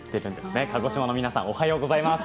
鹿児島の皆さんおはようございます。